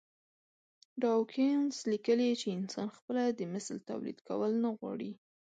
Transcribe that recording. ډاوکېنز ليکلي چې انسان خپله د مثل توليد کول نه غواړي.